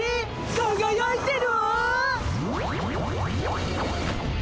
かがやいてるわ！